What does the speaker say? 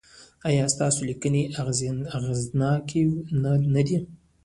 ایا ستاسو لیکنې اغیزناکې نه دي؟